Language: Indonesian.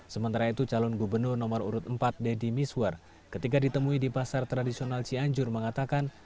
sementara itu calon gubernur nomor urut empat deddy miswar ketika ditemui di pasar tradisional cianjur mengatakan